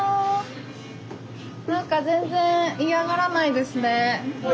なんか全然嫌がらないですね。